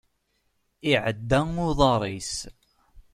Iɛedda uḍar-is.